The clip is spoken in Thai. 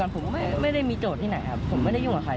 ผมก็ไม่ได้มีโจทย์ที่ไหนครับผมไม่ได้ยุ่งกับใคร